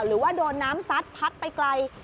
หรือว่าโดนน้ำซัดพัดไปไกล